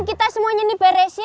kita semuanya ini beresin